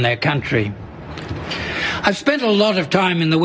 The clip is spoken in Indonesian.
sejak tujuh pemerintah meminta saya